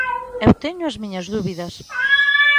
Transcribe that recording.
Eu teño as miñas dúbidas.